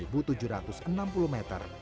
di bawah panggilan